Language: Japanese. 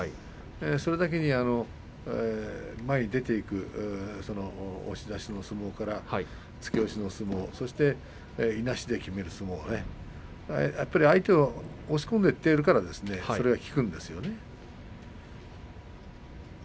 それだけに前に出ていく押し出しの相撲から突き押しの相撲いなしできめる相撲相手を押し込んでいっているのでそういうことができるんですね。